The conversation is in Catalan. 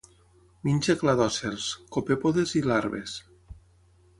Menja cladòcers, copèpodes i larves.